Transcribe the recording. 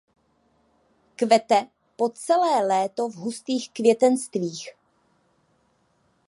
Kvete po celé léto v hustých květenstvích.